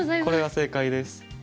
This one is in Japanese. これが正解です。